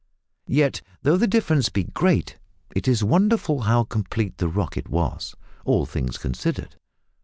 Yet though the difference be great it is wonderful how complete the "Rocket" was, all things considered.